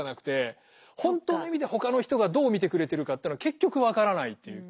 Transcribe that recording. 本当の意味でほかの人がどう見てくれてるかってのは結局分からないという。